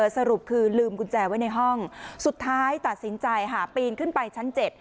สรุปคือลืมกุญแจไว้ในห้องสุดท้ายตัดสินใจค่ะปีนขึ้นไปชั้น๗